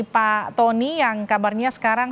pak tony yang kabarnya sekarang